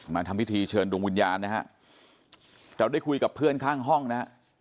ทำพิธีเชิญดวงวิญญาณนะฮะเราได้คุยกับเพื่อนข้างห้องนะฮะ